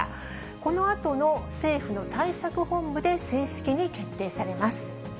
このあとの政府の対策本部で正式に決定されます。